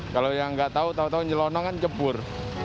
kalau yang nggak tahu tahu tahu nyelonong kan cebur